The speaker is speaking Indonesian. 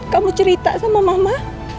kamu cerita sama mama